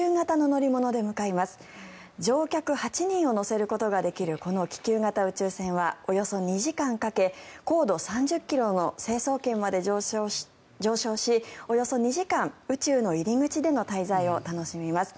乗客８人を乗せることができるこの気球型宇宙船はおよそ２時間かけ高度３０ｋｍの成層圏まで上昇しおよそ２時間、宇宙の入り口での滞在を楽しみます。